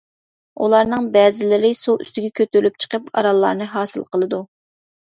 ئۇلارنىڭ بەزىلىرى سۇ ئۈستىگە كۆتۈرۈلۈپ چىقىپ، ئاراللارنى ھاسىل قىلىدۇ.